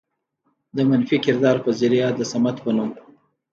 د منفي کردار په ذريعه د صمد په نوم